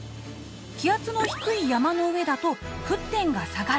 気圧の低い山の上だと沸点が下がる。